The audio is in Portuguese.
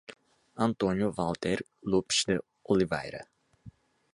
Antônio Valter Lopes de Oliveira